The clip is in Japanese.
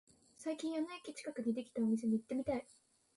最近あの駅近くにできたお店に行ってみたい